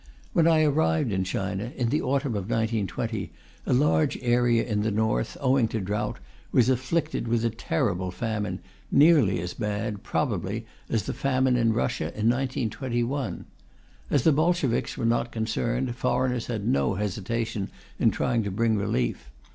When I arrived in China, in the autumn of 1920, a large area in the north, owing to drought, was afflicted with a terrible famine, nearly as bad, probably, as the famine in Russia in 1921. As the Bolsheviks were not concerned, foreigners had no hesitation in trying to bring relief.